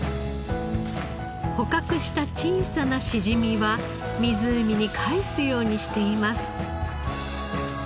捕獲した小さなしじみは湖に返すようにしています。